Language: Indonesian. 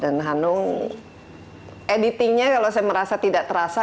dan hanung editingnya kalau saya merasa tidak terasa